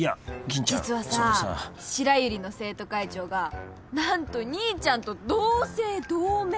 実はさ白百合の生徒会長が何と兄ちゃんと同姓同名。